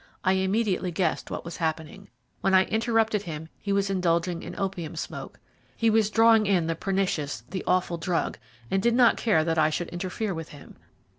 I immediately guessed what was happening. When I interrupted him he was indulging in opium smoke. He was drawing in the pernicious, the awful drug, and did not care that I should interfere with him.